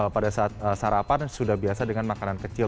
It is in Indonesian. pada saat sarapan sudah biasa dengan makanan kecil